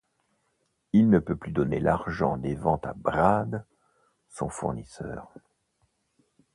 Il ne peut plus donner l'argent des ventes à Brad, son fournisseur.